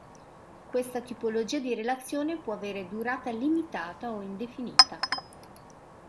Questa tipologia di relazione può avere durata limitata o indefinita.